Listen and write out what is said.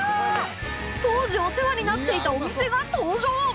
当時お世話になっていたお店が登場